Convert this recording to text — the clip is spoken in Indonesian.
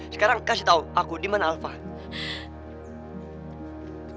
sekarang kasih tau aku dimana alfah